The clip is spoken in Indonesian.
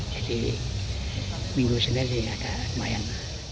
jadi minggu senin ini agak lumayan